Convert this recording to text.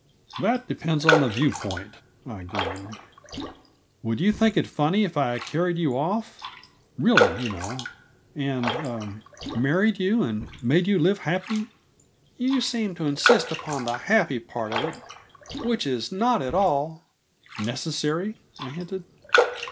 "That depends on the view point," I grinned. "Would you think it funny if I carried you off really, you know and er married you and made you live happy " "You seem to insist upon the happy part of it, which is not at all " "Necessary?" I hinted.